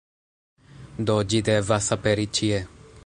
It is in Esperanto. Do, ĝi devas aperi ĉie